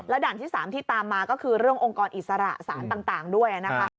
ด่านที่๓ที่ตามมาก็คือเรื่ององค์กรอิสระสารต่างด้วยนะคะ